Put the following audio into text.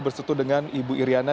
bersatu dengan ibu iryana